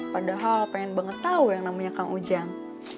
padahal pengen banget tahu yang namanya kang ujang